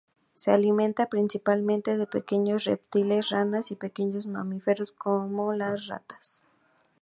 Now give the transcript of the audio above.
Se alimenta principalmente de pequeños reptiles, ranas y pequeños mamíferos como las ratas.